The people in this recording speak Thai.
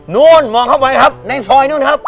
นู่นมองเข้าไปครับในซอยนู้นครับ